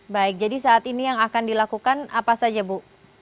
baik jadi saat ini yang akan dilakukan apa saja bu